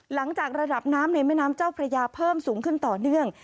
หลังจากระดับน้ำในแม่น้ำเจ้าพระยาเพิ่มสูงขึ้นต่อเนื่อง